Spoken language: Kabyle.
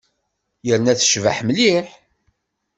Yerna tecbeḥ mliḥ.